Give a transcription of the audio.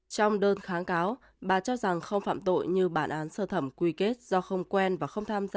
trong đơn kháng cáo bà cho rằng không phạm tội như bản án sơ thẩm quy kết do không quen và không tham gia